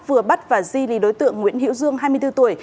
vừa bắt và di lý đối tượng nguyễn hiễu dương hai mươi bốn tuổi